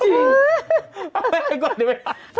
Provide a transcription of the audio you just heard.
เอาแม่งก่อนดีกว่า